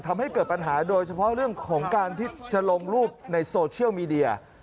ทำให้เกิดปัญหาโดยเฉพาะเรื่องของการที่จะลงรูปในโซเชียลมีเดีย